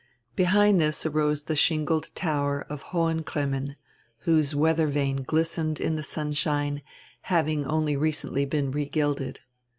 Behind this arose die shingled tower of Hohen Cremmen, whose weadier vane glistened in die sunshine, having only recendy been regilded.